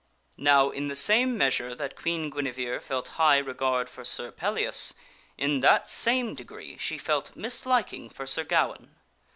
NOW, in the same measure that Queen Guinevere felt high regard for Sir Pellias, in that same degree she felt misliking for Sir Gawaine.